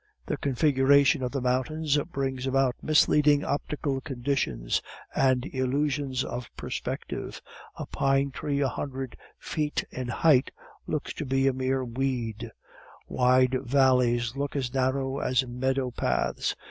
The configuration of the mountains brings about misleading optical conditions and illusions of perspective; a pine tree a hundred feet in height looks to be a mere weed; wide valleys look as narrow as meadow paths.